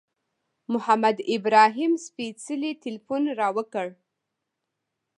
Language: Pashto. محمد ابراهیم سپېڅلي تیلفون را وکړ.